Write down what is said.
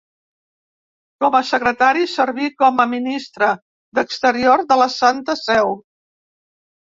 Com a Secretari, serví com a ministre d'exteriors de la Santa Seu.